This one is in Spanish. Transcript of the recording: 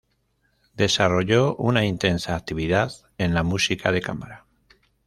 Desarrolló una intensa actividad en la música de cámara.